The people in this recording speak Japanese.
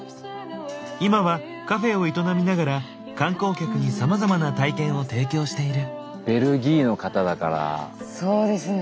今はカフェを営みながら観光客にさまざまな体験を提供している。